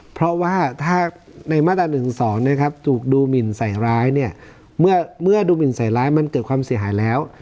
เพราะว่าถ้าในมาตรา๑๒ถูกดูหมินใส่ร้ายเนี่ยเมื่อดูหมินใส่ร้ายมันเกิดความเสียหายแล้ว